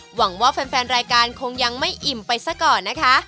หวังว่าแฟนรายการคงยังไม่อิ่มไปซะก่อนนะคะ